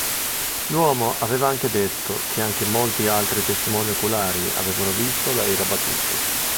L'uomo aveva anche detto che anche molti altri testimoni oculari avevano visto l'aereo abbattuto.